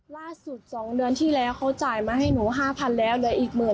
ล่าสุด๒เดือนที่แล้วเขาจ่ายมาให้หนู๕๐๐๐แล้ว